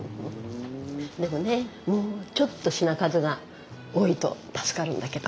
でもねもうちょっと品数が多いと助かるんだけど。